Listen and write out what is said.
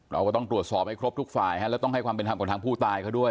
เราก็ต้องตรวจสอบให้ครบทุกฝ่ายแล้วต้องให้ความเป็นธรรมกับทางผู้ตายเขาด้วย